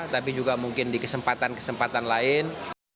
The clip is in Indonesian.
tapi juga mungkin di kesempatan kesempatan lain